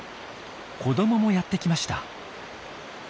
子どももやってきました。